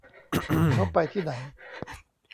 เค้าไปที่ไหน